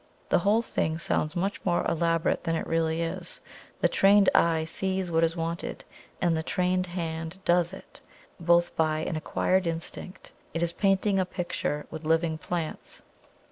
The whole thing sounds much more elaborate than it really is; the trained eye sees what is wanted, and the trained hand does it, both by an acquired instinct. It is painting a picture with living plants.